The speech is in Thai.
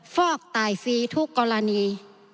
ฟอกตายฟรีทุกกรณี